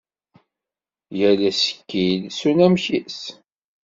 Yal asekkil s unamek-is.